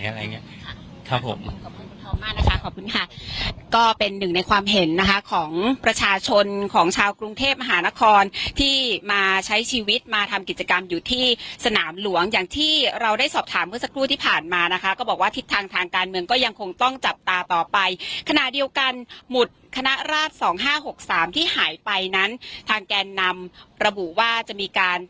อะไรอย่างเงี้ยค่ะครับผมขอบคุณคุณทองมากนะคะขอบคุณค่ะก็เป็นหนึ่งในความเห็นนะคะของประชาชนของชาวกรุงเทพมหานครที่มาใช้ชีวิตมาทำกิจกรรมอยู่ที่สนามหลวงอย่างที่เราได้สอบถามเมื่อสักครู่ที่ผ่านมานะคะก็บอกว่าทิศทางทางการเมืองก็ยังคงต้องจับตาต่อไปขณะเดียวกันหมุดคณะราชสองห้าหกสามที่หายไปนั้นทางแกนนำระบุว่าจะมีการ